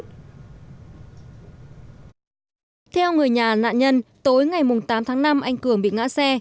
theo người nhà nạn nhân tối ngày tám tháng năm anh cường bị ngã xe